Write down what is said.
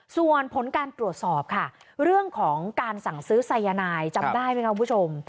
ส่วนผลการตรวจสอบค่ะเรื่องของการสั่งซื้อสายนายจำได้ไหมครับคุณผู้ชม